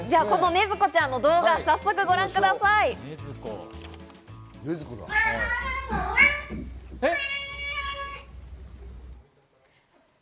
ねずこちゃんの動画、早速ご覧ください。えっ？